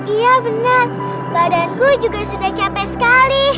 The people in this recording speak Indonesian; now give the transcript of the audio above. iya benar badanku juga sudah capek sekali